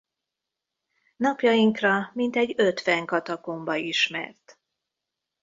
Napjainkra mintegy ötven katakomba ismert.